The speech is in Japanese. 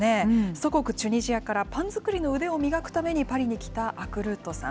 祖国、チュニジアからパン作りの腕を磨くためにパリに来たアクルートさん。